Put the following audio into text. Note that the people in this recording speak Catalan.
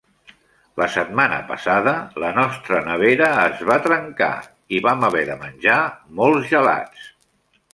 La setmana passada la nostra nevera es va trencar i vam haver de menjar molts gelats.